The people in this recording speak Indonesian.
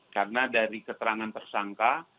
karena dari keterangan tersangka